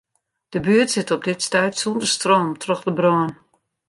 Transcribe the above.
De buert sit op dit stuit sûnder stroom troch de brân.